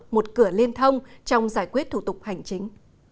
một cửa liên thông trong giải quyết thủ tục hành chính